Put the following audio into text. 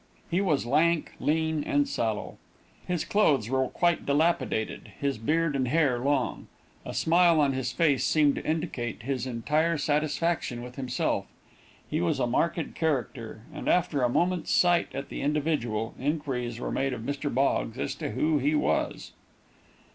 He was lank, lean, and sallow. His clothes were quite dilapidated, his beard and hair long. A smile on his face seemed to indicate his entire satisfaction with himself. He was a marked character, and after a moment's sight at the individual, inquiries were made of Mr. Boggs as to who he was.